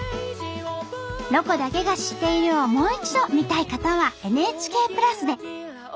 「ロコだけが知っている」をもう一度見たい方はＮＨＫプラスで。